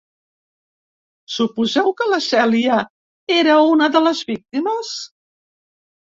Suposeu que la Cèlia era una de les víctimes?